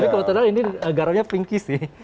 tapi kalau ternyata ini garamnya pinky sih